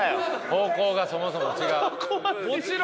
方向がそもそも違う。